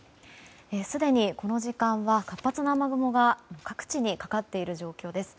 すでにこの時間は活発な雨雲が各地にかかっている状況です。